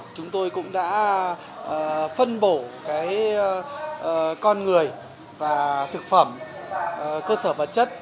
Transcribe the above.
chúng tôi cũng đã phân bổ con người và thực phẩm cơ sở vật chất